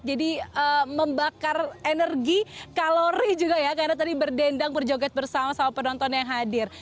jadi membakar energi kalori juga ya karena tadi berdendang berjoget bersama sama penonton yang hadir